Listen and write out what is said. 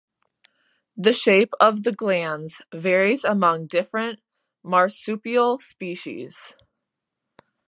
The shape of the glans varies among different marsupial species.